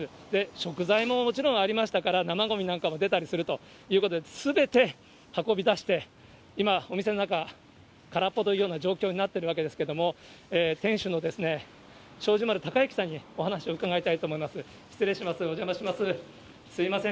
食材ももちろんありましたから、生ごみなんかも出たりするということで、すべて運び出して、今、お店の中、空っぽというような状況になってるわけですけれども、店主の小路丸貴之さんにお話を伺いたいと思います。